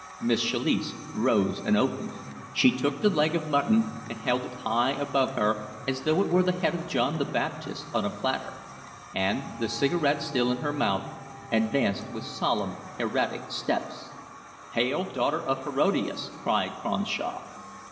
Miss Chalice rose and opened. She took the leg of mutton and held it high above her, as though it were the head of John the Baptist on a platter; and, the cigarette still in her mouth, advanced with solemn, hieratic steps. "Hail, daughter of Herodias," cried Cronshaw.